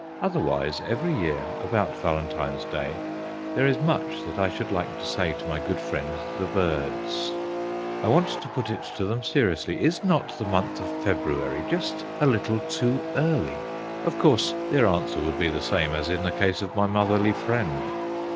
Otherwise, every year, about Valentine's day, there is much that I should like to say to my good friends the birds. I want to put it to them seriously. Is not the month of February just a little too early? Of course, their answer would be the same as in the case of my motherly friend.